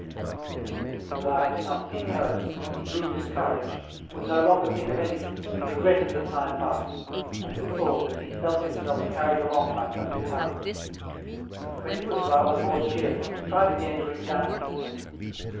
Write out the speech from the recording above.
Then as this desire did not seem heard, he grew dis couraged, would no longer think of anything, regretted the time past, and deplored that he felt himself carried along by such a current. And when he was rather more cheerful, he tried again to examine himself.